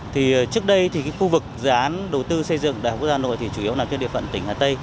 trước đây khu vực dự án đầu tư xây dựng đại học quốc gia hà nội chủ yếu là địa phận tỉnh hà tây